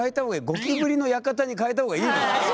「ゴキブリの館」に変えた方がいい。